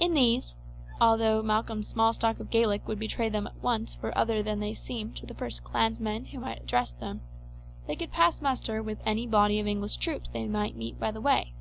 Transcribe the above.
In these, although Malcolm's small stock of Gaelic would betray them at once for other than they seemed to the first clansman who might address them, they could pass muster with any body of English troops they might meet by the way.